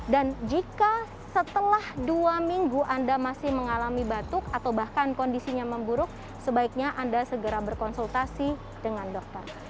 dan jika setelah dua minggu anda masih mengalami batuk atau bahkan kondisinya memburuk sebaiknya anda segera berkonsultasi dengan dokter